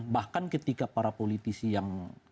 bahkan ketika para politisi yang